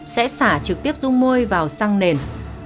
sẽ xả trực tiếp rung môi vào xăng nền